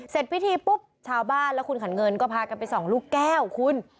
เสร็จพิธีปุ๊บชาวบ้านและคุณขันเงินก็พากันไปส่องลูกแก้วคุณ